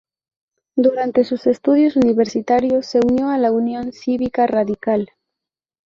Durante sus estudios universitarios se unió a la Unión Cívica Radical.